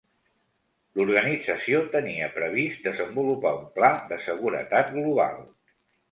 L'organització tenia previst desenvolupar un pla de seguretat global.